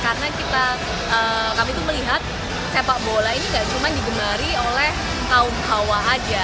karena kita kami tuh melihat sepak bola ini gak cuma digemari oleh kaum hawa aja